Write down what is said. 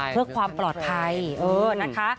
เพื่อความปลอดภัยนะคะ